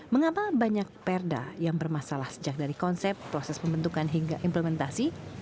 mengapa banyak perda yang bermasalah sejak dari konsep proses pembentukan hingga implementasi